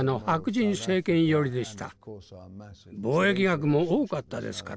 貿易額も多かったですから。